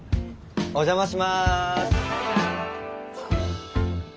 お邪魔します。